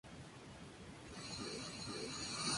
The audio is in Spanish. Durante el año se publican dos números.